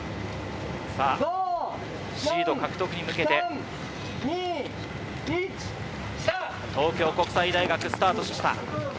シード獲得に向けて東京国際大学がスタートしました。